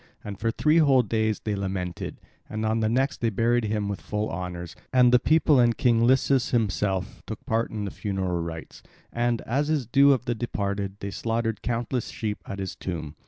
And for three whole days they lamented; and on the next they buried him with full honours, and the people and King Lycus himself took part in the funeral rites; and, as is the due of the departed, they slaughtered countless sheep at his tomb.